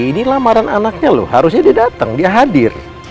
ini lamaran anaknya loh harusnya dia datang dia hadir